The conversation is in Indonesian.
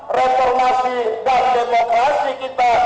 reformasi dan demokrasi kita